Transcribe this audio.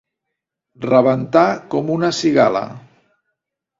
Rebentar com una cigala.